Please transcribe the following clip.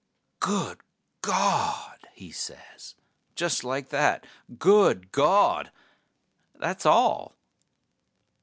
"Good Gawd!" he says, just like that: "Good Gawd!" That's all.